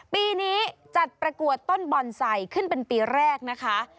ปีนี้จัดประกวดต้นบ่อนใส่ขึ้นเป็นปีแรกนะคะ